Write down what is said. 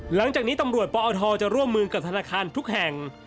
หลังจากนี้ตำรวจปอทจะร่วมมือกับธนาคารทุกแห่ง